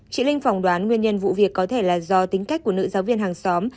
chị linh phỏng đoán nguyên nhân vụ việc có thể là do tính cách của nữ giáo viên hàng xóm